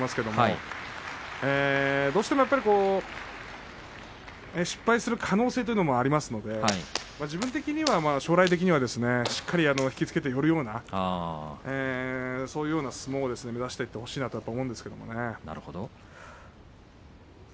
どうしても失敗する可能性というのもありますので自分的には、将来的にはしっかり引き付けて寄るようなそういうような相撲を目指していってほしいなと思うんですけれどね。